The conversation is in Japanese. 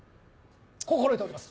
心得ております。